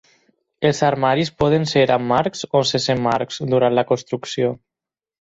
Els armaris poden ser amb marcs o sense marcs durant la construcció.